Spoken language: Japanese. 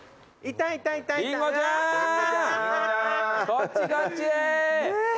こっちこっち！